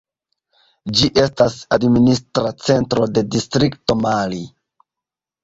Ĝi estas administra centro de distrikto Mali.